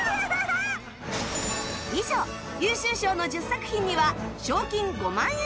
以上優秀賞の１０作品には賞金５万円を贈呈！